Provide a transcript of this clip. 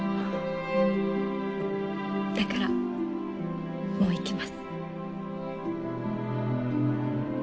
だからもう行きます。